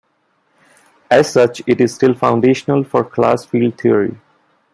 As such, it is still foundational for class field theory.